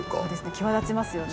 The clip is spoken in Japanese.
際立ちますよね。